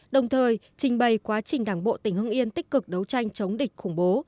đồng thời trình bày quá trình đảng bộ tỉnh hưng yên tích cực đấu tranh chống địch khủng bố